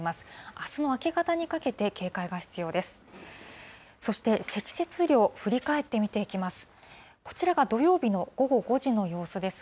あすの明け方にかけて、警戒が必要です。